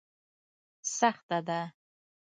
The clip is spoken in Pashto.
سخته ده.